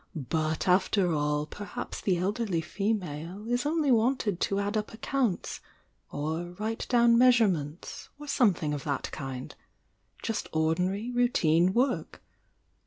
But after all perhaps the elderly female is only wanted to add up accounts, or write down measurements or something of that kind — just ordinary routine work.